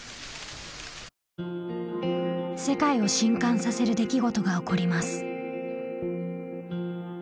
世界を震撼させる出来事が起こります。